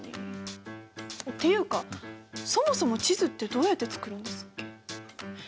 っていうかそもそも地図ってどうやって作るんですっけ？